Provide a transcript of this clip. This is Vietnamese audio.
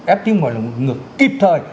em tim gọi là ngược kịp thời